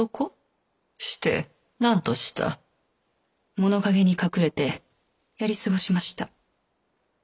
物陰に隠れてやり過ごしました。